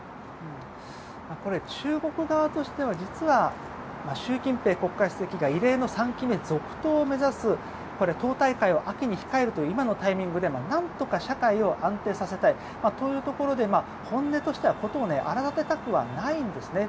中国側としては習近平国家主席が異例の３期目続投を目指す党大会を秋に控える今のタイミングでは何とか社会を安定させたいというところで本音としては事を荒立てたくはないんですね。